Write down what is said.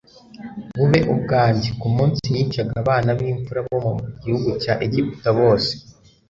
bube ubwanjye". «Ku munsi nicaga abana b'imfura bo mu gihugu cya Egiputa bose,